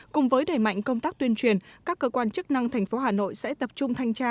cùng với đẩy mạnh công tác tuyên truyền các cơ quan chức năng thành phố hà nội sẽ tập trung thanh tra